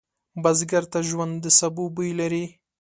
بزګر ته ژوند د سبو بوی لري